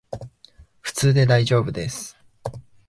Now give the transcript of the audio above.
普通でだいじょうぶです